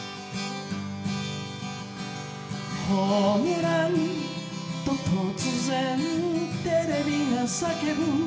「「ホームラン」と突然 ＴＶ が叫ぶ」